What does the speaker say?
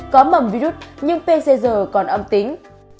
có mẩm virus nhưng pcr còn âm tính